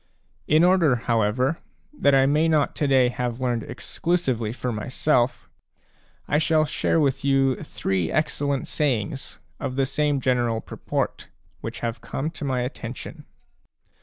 In order, however, that I may not to day have learned exclusively for myself, I shall share with you three excellent sayings, of the same general purport, which have come to my attention.